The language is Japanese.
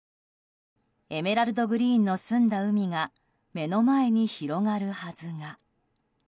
エメラルドグリーンの澄んだ海が目の前に広がるはずが。